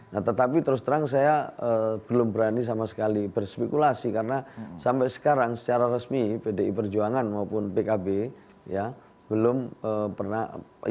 nah tetapi terus terang saya belum berani sama sekali berspekulasi karena sampai sekarang secara resmi pdi perjuangan maupun pkb ya belum pernah